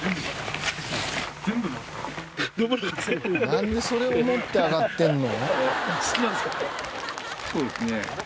「なんでそれを持って上がってるの？」